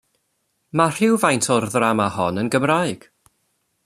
Mae rhywfaint o'r ddrama hon yn Gymraeg.